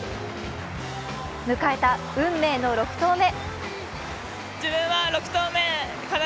迎えた運命の６投目。